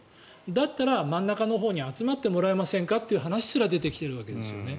だったら、真ん中のほうに集まってもらえませんかという話すら出てきているんですね。